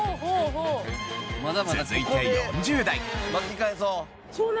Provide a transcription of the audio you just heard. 続いて４０代。